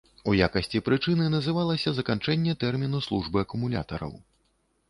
У якасці прычыны называлася заканчэнне тэрміну службы акумулятараў.